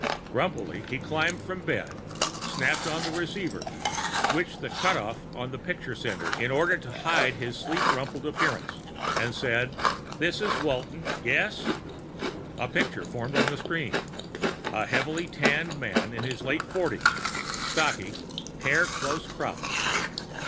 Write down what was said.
Grumpily he climbed from bed, snapped on the receiver, switched the cutoff on the picture sender in order to hide his sleep rumpled appearance, and said, "This is Walton. Yes?" A picture formed on the screen: a heavily tanned man in his late forties, stocky, hair close cropped.